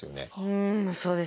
うんそうですね。